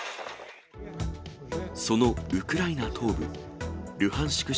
そのウクライナ東部ルハンシク